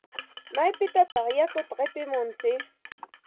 ¿Maypitataq yakuta qipimuntsik?